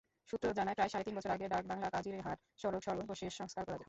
সূত্র জানায়, প্রায় সাড়ে তিন বছর আগে ডাকবাংলা-কাজীরহাট সড়ক সর্বশেষ সংস্কার করা হয়।